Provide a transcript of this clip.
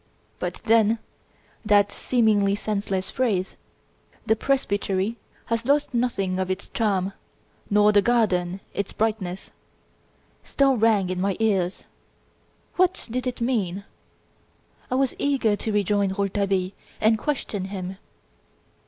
But, then, that seemingly senseless phrase "The presbytery has lost nothing of its charm, nor the garden its brightness" still rang in my ears. What did it mean? I was eager to rejoin Rouletabille and question him.